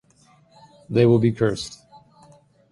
They will be cursed'.